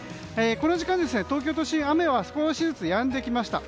この時間、東京都心雨は少しずつやんできました。